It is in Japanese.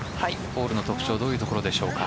ホールの特徴どういうところでしょうか。